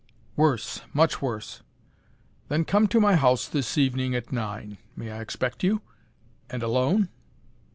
"Worse! Much worse!" "Then come to my house this evening at nine. May I expect you? And alone?"